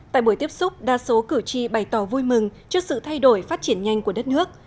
tại buổi tiếp xúc đa số cử tri bày tỏ vui mừng trước sự thay đổi phát triển nhanh của đất nước